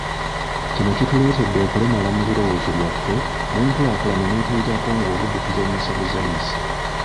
Kino kituleetedde okulemala mu birowoozo byaffe nenkulaakulana netuyitako ng’obudde tuzannyisa buzannyise.